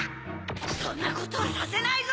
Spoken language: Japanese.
そんなことはさせないぞ！